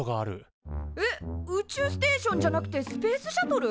えっ宇宙ステーションじゃなくてスペースシャトル？